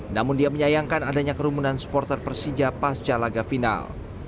namun dia menyayangkan adanya kerumunan supporter persija pasca laga final